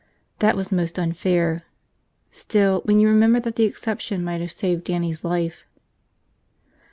That was most unfair. Still, when you remembered that the exception might have saved Dannie's life